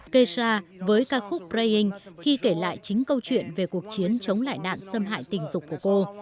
keisha với ca khúc praying khi kể lại chính câu chuyện về cuộc chiến chống lại đạn xâm hại tình dục của cô